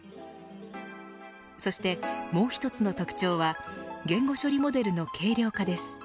そして、もう一つの特徴は言語処理モデルの軽量化です。